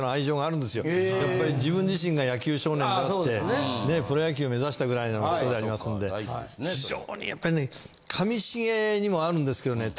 やっぱり自分自身が野球少年になってプロ野球目指したぐらいの人でありますんで非常にやっぱりね上重にもあるんですけどね